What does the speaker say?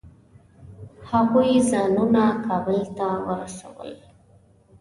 هغوی ځانونه کابل ته ورسول.